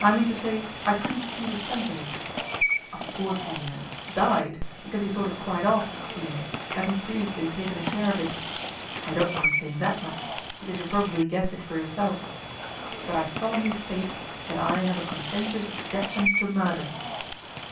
'I mean to say I couldn't see the sense of it. Of course he er died, because he sort of cried off the scheme, having previously taken a share of it. I don't mind saying that much, because you probably guessed it for yourself. But I solemnly state that I have a conscientious objection to murder.